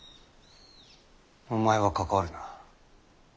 お前は関わるな。